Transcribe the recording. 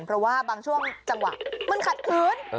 เพราะว่าบางช่วงจังหวะมันขัดขืน